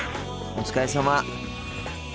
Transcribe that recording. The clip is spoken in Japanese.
お疲れさま。